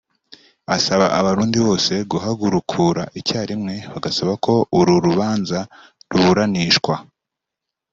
Asaba abarundi bose guhagurukura icyarimwe bagasaba ko uru rubanza ruburanishwa